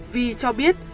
vy cho biết